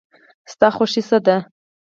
ستا خوښی څه ده؟